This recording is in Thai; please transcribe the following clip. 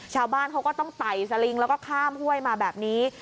ชาวบ้านเขาก็ต้องไต่สลิงแล้วก็ข้ามห้วยมาแบบนี้